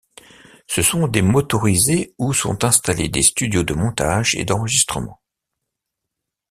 Ce sont des motorisés où sont installés des studios de montage et d'enregistrement.